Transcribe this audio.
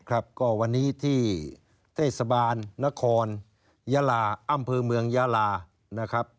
ก็วันนี้ที่เทศบาลนครยาลาอำเภอเมืองยาลานะครับ